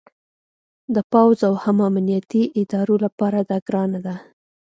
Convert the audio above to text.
د پوځ او هم امنیتي ادارو لپاره دا ګرانه ده